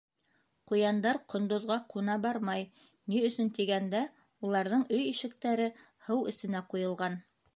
Ҡуяндар ҡондоҙға ҡуна бармай, ни өсөн тигәндә, уларҙың өй ишектәре һыу эсенә ҡуйылған.